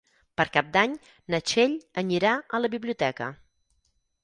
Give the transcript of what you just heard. Per Cap d'Any na Txell anirà a la biblioteca.